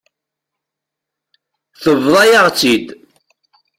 Tebḍa-yaɣ-tt-id.